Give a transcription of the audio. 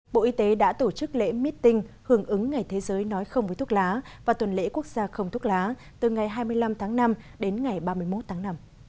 bộ y tế đã tổ chức lễ meeting hưởng ứng ngày thế giới nói không với thuốc lá và tuần lễ quốc gia không thuốc lá từ ngày hai mươi năm tháng năm đến ngày ba mươi một tháng năm